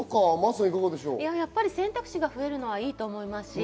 選択肢が増えるのはいいと思います。